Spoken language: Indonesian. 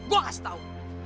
gue kasih tahu